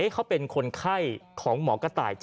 เขาเป็นคนไข้ของหมอกระต่าย